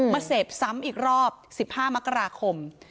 เสพซ้ำอีกรอบ๑๕มกราคม